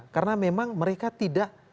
karena memang mereka tidak